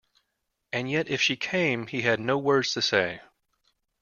And yet if she came he had no words to say.